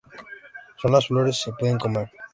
Sólo las flores se pueden comer.